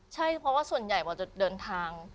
ใช่เพราะว่าส่วนใหญ่เราจะเดินทาง